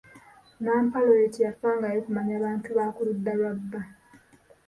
Nampala oyo teyafangayo kumanya bantu ba ku ludda lwa bba.